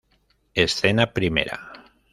Escena primera.